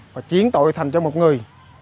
và chiến tội thành cho một người